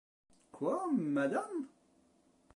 Quoi, madame ?